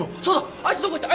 あいつどこ行った！？